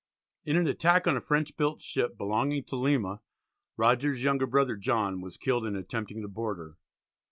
In an attack on a French built ship belonging to Lima, Rogers's younger brother John was killed in attempting to board her.